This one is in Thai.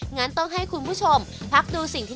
งั้นต้องให้คุณผู้ชมพักดูสิ่งที่